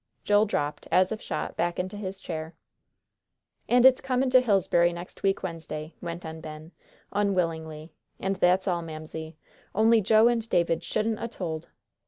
Joel dropped, as if shot, back into his chair. "And it's comin' to Hillsbury next week Wednesday," went on Ben, unwillingly, "and that's all, Mamsie. Only Joe and David shouldn't a told."